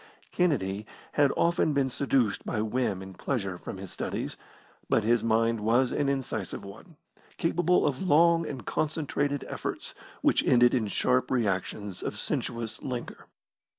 Kennedy had often been seduced by whim and pleasure from his studies, but his mind was an incisive one, capable of long and concentrated efforts which ended in sharp reactions of sensuous languor.